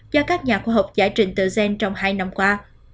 do các nhà khoa học giải trình tự gen trong hai năm qua